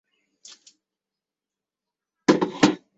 法国陆上交通事故调查局总部位于巴黎拉德芳斯区。